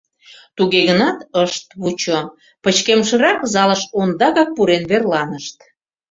Туге гынат ышт вучо. пычкемышрак залыш ондакак пурен верланышт.